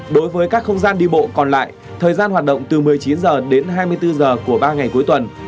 đối với các không gian đi bộ còn lại thời gian hoạt động từ một mươi chín h đến hai mươi bốn h của ba ngày cuối tuần